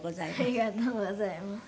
ありがとうございます。